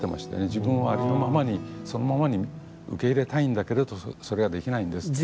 自分をありのままにそのままに受け入れたいんだけどそれができないんですって。